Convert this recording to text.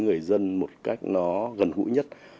người dân một cách nó gần gũi nhất